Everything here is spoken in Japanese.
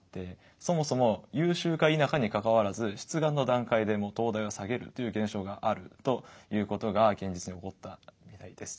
そもそも優秀か否かにかかわらず出願の段階で東大を下げるという現象があるということが現実に起こったみたいです。